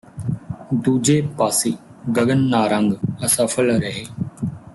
ਦੂਜੇ ਪਾਸੇ ਗਗਨ ਨਾਰੰਗ ਅਸਫਲ ਰਹੇ